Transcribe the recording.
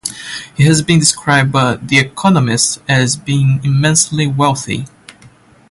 He has been described by "The Economist" as being "immensely wealthy.